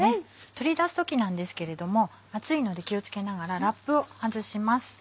取り出す時なんですけれども熱いので気を付けながらラップを外します。